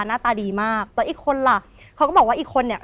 หน้าตาดีมากแล้วอีกคนล่ะเขาก็บอกว่าอีกคนเนี่ย